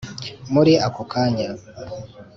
muri ako kanya